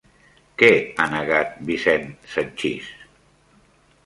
Què ha negat Vicent Sanchis?